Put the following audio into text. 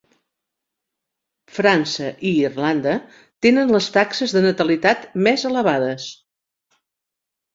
França i Irlanda tenen les taxes de natalitat més elevades.